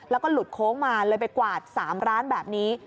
แล้วก็หลุดโค้งมาเลยไปกวาด๓ร้านแบบนี้